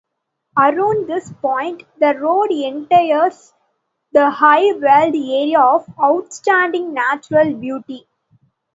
Around this point, the road enters the High Weald Area of Outstanding Natural Beauty.